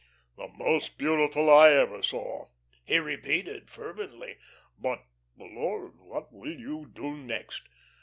"The most beautiful I ever saw," he repeated, fervently. "But Lord, what will you do next?